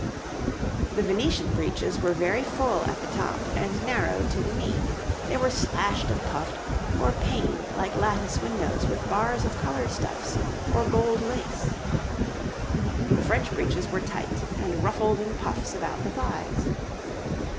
] The Venetian breeches were very full at the top and narrowed to the knee; they were slashed and puffed, or paned like lattice windows with bars of coloured stuffs or gold lace. The French breeches were tight and ruffled in puffs about the thighs.